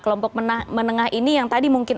kelompok menengah ini yang tadi mungkin